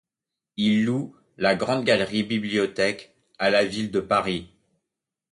Ils en louent la grande galerie bibliothèque à la ville de Paris.